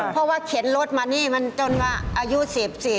เพราะว่าเข็นรถมานี่มันจนว่าอายุ๑๔